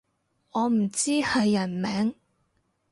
我唔知係人名